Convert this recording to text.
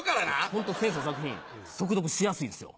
ホント先生の作品速読しやすいですよ。